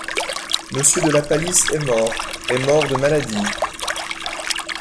Monsieur de la Palisse est mort… est mort de maladie…